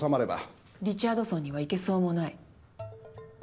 リチャードソンには行けそうもない。